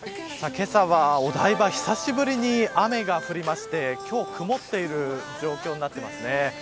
けさは、お台場久しぶりに雨が降りまして今日曇っている状況になっていますね。